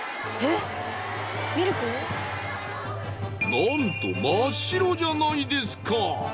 なんと真っ白じゃないですか。